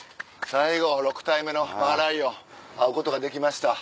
最後６体目のマーライオン会うことができました。